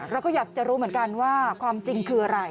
เราก็อยากจะรู้เหมือนกันว่าความจริงคืออะไร